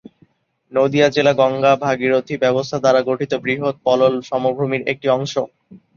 নদীয়া জেলা গঙ্গা-ভাগীরথী ব্যবস্থা দ্বারা গঠিত বৃহত পলল সমভূমির একটি অংশ।